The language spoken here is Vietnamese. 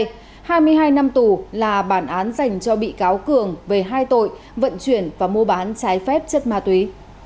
hai mươi hai năm tù là bản án dành cho bị cáo cường về hai tội vận chuyển và mua bán trái phép chất ma túy